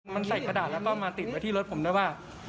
มันใส่กระดาษแล้วก็มาติดไว้ที่รถผมด้วยว่า